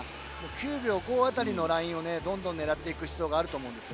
９秒５辺りのラインを狙っていく必要があると思います。